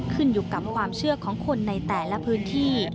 ขึ้นอยู่กับความเชื่อของคนในแต่ละพื้นที่